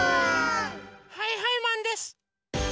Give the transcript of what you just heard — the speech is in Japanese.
はいはいマンです！